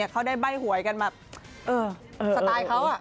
เขาได้ใบ้หวยกันแบบสไตล์เขา